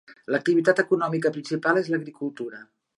L'activitat econòmica principal és l"agricultura.